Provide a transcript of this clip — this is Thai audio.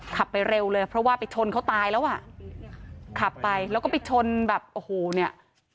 ขับไปเร็วเลยเพราะว่าไปชนเขาตายแล้วอ่ะขับไปแล้วก็ไปชนแบบโอ้โหเนี่ย